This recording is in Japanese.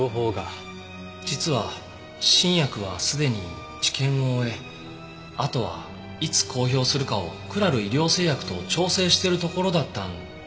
実は新薬はすでに治験を終えあとはいつ公表するかをクラル医療製薬と調整してるところだったんですが。